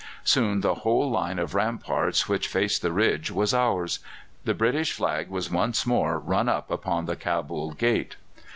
Soon the whole line of ramparts which faced the ridge was ours; the British flag was once more run up upon the Cabul Gate.